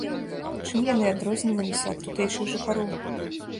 Чым яны адрозніваліся ад тутэйшых жыхароў?